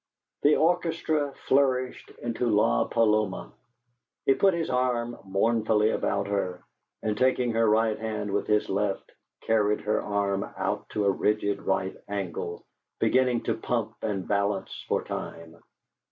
The orchestra flourished into "La Paloma"; he put his arm mournfully about her, and taking her right hand with his left, carried her arm out to a rigid right angle, beginning to pump and balance for time.